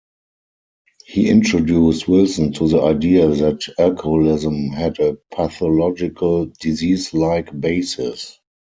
He introduced Wilson to the idea that alcoholism had a pathological, disease-like basis.